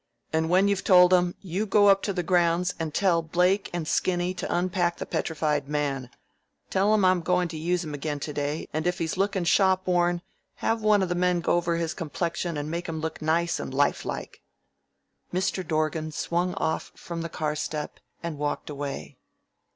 And when you've told 'em, you go up to the grounds and tell Blake and Skinny to unpack the Petrified Man. Tell 'em I'm goin' to use him again to day, and if he's lookin' shop worn, have one of the men go over his complexion and make him look nice and lifelike." Mr. Dorgan swung off from the car step and walked away.